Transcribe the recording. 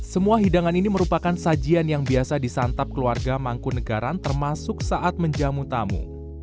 semua hidangan ini merupakan sajian yang biasa disantap keluarga mangku negara termasuk saat menjamu tamu